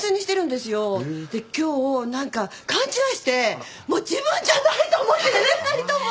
で今日何か勘違いしてもう自分じゃないと思っててね２人とも。